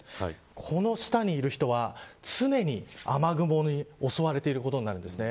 この下にいる人は常に雨雲に襲われていることになるんですね。